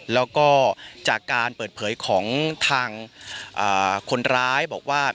แล้วก็จากการเปิดเผยของทางคนร้ายบอกว่า